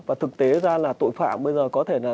và thực tế ra là tội phạm bây giờ có thể là